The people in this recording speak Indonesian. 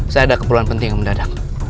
saya ada keperluan penting yang mendadak